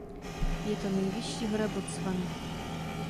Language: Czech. Je to nejvyšší hora Botswany.